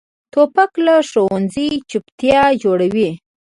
توپک له ښوونځي چپتیا جوړوي.